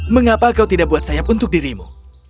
mengapa kau tidak buat sayap untuk dirimu